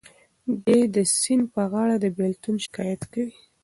دی د سیند په غاړه د بېلتون شکایت کوي.